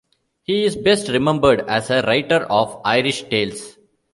He is best remembered as a writer of Irish tales.